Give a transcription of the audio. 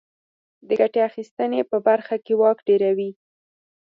د ګټې اخیستنې په برخه کې واک ډېروي.